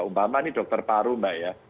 umpama ini dokter paru mbak ya